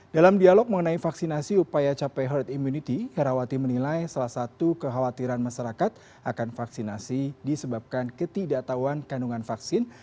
dalam dialog mengenai vaksinasi upaya capai herd immunity herawati menilai salah satu kekhawatiran masyarakat akan vaksinasi disebabkan ketidaktahuan kandungan vaksin